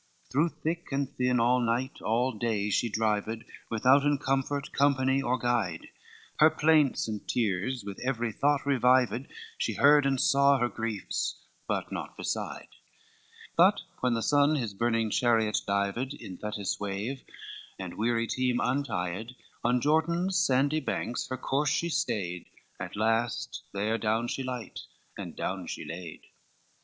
III Through thick and thin, all night, all day, she drived, Withouten comfort, company, or guide, Her plaints and tears with every thought revived, She heard and saw her griefs, but naught beside: But when the sun his burning chariot dived In Thetis' wave, and weary team untied, On Jordan's sandy banks her course she stayed At last, there down she light, and down she laid.